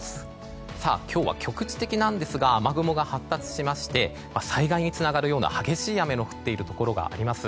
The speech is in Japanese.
今日は局地的なんですが雨雲が発達しまして災害につながるような激しい雨の降っているところがあります。